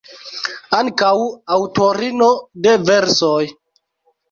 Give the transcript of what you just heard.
Ankaŭ aŭtorino de versoj.